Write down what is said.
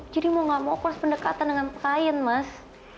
jadi mau gak mau kurus pendekatan dengan kain mas